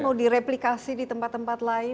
mau direplikasi di tempat tempat lain